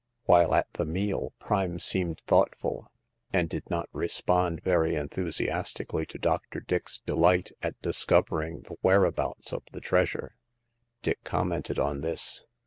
While at the meal, Prime seemed thoughtful, and did not respond very enthusiastically to Dr. Dick's delight at discovering the whereabouts of the treasure. Dick commented on this.